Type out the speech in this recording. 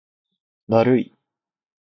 だるい